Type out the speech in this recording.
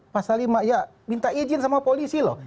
pasal lima ya minta izin sama polisi loh